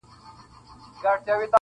• په هر ښار کي به تاوده وي لنګرونه -